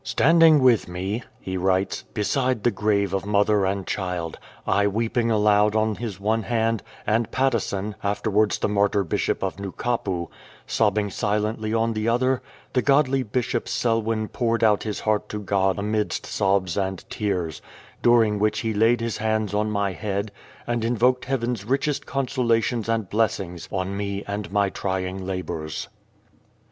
"Standing with me,'' he 324 A LONELY GRAVE writes, " beside the grave of mother and child, I weeping aloud on his one hand, and Patteson — afterwards the Martyr Bishop of Nukapu — sobbing silently on the other, the godly Bishop Selwyn poured out his heart to God amidst sobs and tears, during which he laid his hands on my head, and invoked Heaven's richest consolations and blessings on me and my trying labours.""